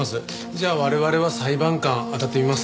じゃあ我々は裁判官あたってみます。